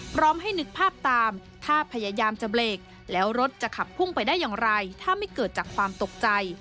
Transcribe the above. พร้อมให้นึกภาพตามถ้าพยายามจะเบรกแล้วรถจะขับพุ่งไปได้อย่างไรถ้าไม่เกิดจากความตกใจ